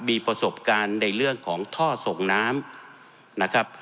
มีประสบการณ์ในเรื่องของท่อส่งน้ำนะครับ